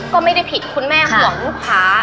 ก็ไม่ได้ผิดคุณแม่ห่วงลูกค้า